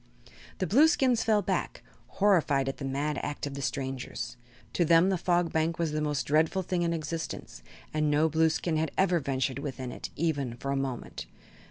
The Blueskins fell back, horrified at the mad act of the strangers. To them the Fog Bank was the most dreadful thing in existence and no Blueskin had ever ventured within it, even for a moment.